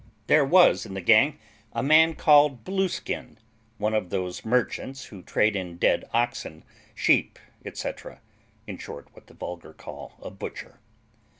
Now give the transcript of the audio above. There was in the gang a man named Blueskin, one of those merchants who trade in dead oxen, sheep, &c., in short, what the vulgar call a butcher.